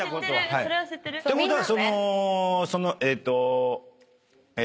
「てことはそのそのえっと」「え」